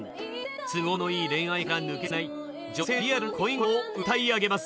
都合のいい恋愛から抜け出せない女性のリアルな恋心を歌い上げます。